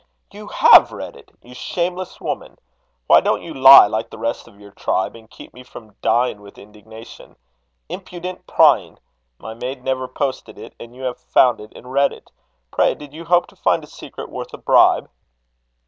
"You have read it, you shameless woman! Why don't you lie, like the rest of your tribe, and keep me from dying with indignation? Impudent prying! My maid never posted it, and you have found it and read it! Pray, did you hope to find a secret worth a bribe?"